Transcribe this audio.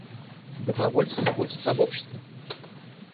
Добровольцы заботятся об обществе.